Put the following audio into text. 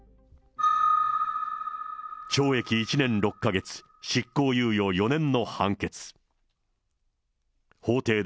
懲役１年６か月、執行猶予４年の判決。